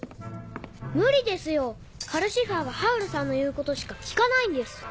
無理ですよカルシファーはハウルさんの言うことしか聞かないんです。